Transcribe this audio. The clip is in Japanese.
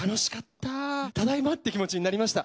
ただいまって気持ちになりました。